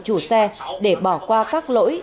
chủ xe để bỏ qua các lỗi